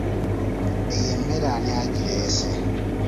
Eyo emmere ani agireese?